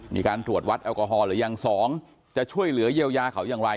มีการตรวจวัดแอลกอฮอลหรือยัง๒จะช่วยเหลือเยียวยาเขาอย่างไร